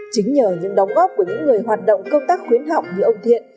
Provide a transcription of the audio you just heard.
chính nhờ những đóng góp của những người hoạt động công tác khuyến học như ông thiện